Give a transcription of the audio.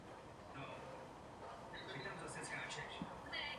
Chcete vystoupit nyní nebo počkáte do konce?